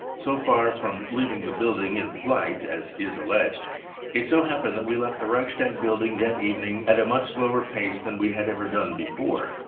" So far from leaving the building in flight, as is alleged, * it so happened that we left the Reichstag building that evening 'at a much slower pace than we had ever done before.